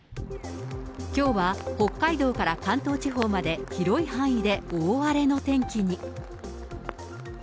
きょうは北海道から関東地方まで、広い範囲で大荒れの天気に。